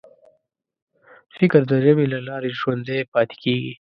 فکر د ژبې له لارې ژوندی پاتې کېږي.